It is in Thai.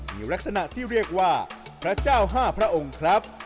มีลักษณะที่เรียกว่าพระเจ้า๕พระองค์ครับ